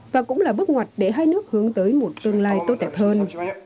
và cũng là bước ngoặt để hai nước hướng tới một tương lai tốt đẹp hơn